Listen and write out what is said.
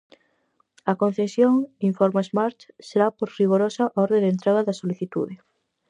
A concesión, informa Smart, será por rigorosa orde de entrega da solicitude.